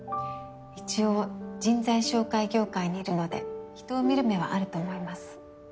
一応人材紹介業界にいるので人を見る目はあると思います。